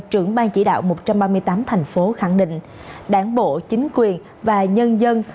trưởng ban chỉ đạo một trăm ba mươi tám thành phố khẳng định đảng bộ chính quyền và nhân dân